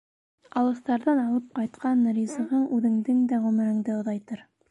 Алыҫтарҙан алып ҡайтҡан ризығың үҙеңдең дә ғүмереңде оҙайтыр.